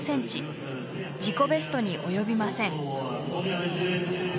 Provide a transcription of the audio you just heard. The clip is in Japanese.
自己ベストに及びません。